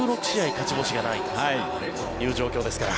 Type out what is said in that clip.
勝ち星がないという状況ですから。